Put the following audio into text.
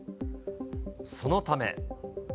そのため。